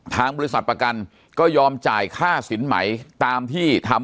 ทางบริษัทประกันก็ยอมจ่ายค่าสินใหม่ตามที่ทำ